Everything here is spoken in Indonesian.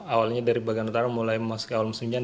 awalnya dari bagian utara mulai masuk awal musim hujan